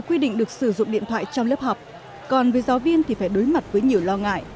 quy định được sử dụng điện thoại trong lớp học còn với giáo viên thì phải đối mặt với nhiều lo ngại